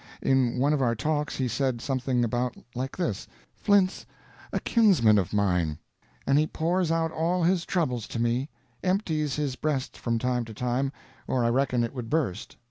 In one of our talks he said something about like this: "Flint is a kinsman of mine, and he pours out all his troubles to me empties his breast from time to time, or I reckon it would burst.